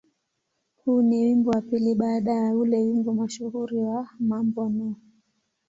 Huu ni wimbo wa pili baada ya ule wimbo mashuhuri wa "Mambo No.